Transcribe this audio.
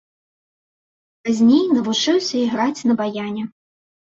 Пазней навучыўся іграць на баяне.